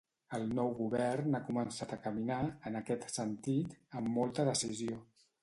El nou govern ha començat a caminar, en aquest sentit, amb molta decisió.